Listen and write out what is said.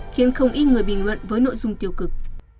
khiến không ít người bình luận với nội dung tiêu cực